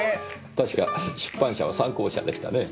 確か出版社は讃光社でしたね？